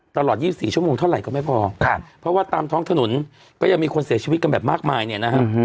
ตลอด๒๔ชั่วโมงเท่าไหร่ก็ไม่พอเพราะว่าตามท้องถนนก็ยังมีคนเสียชีวิตกันแบบมากมายเนี่ยนะครับ